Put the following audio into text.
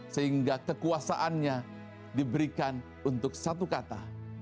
sehingga kekuasaannya diberikan untuk satu kata